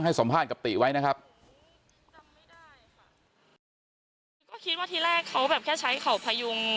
สัมภาษณ์กับติไว้นะครับจำไม่ได้ค่ะก็คิดว่าทีแรกเขาแบบแค่ใช้เขาพยุง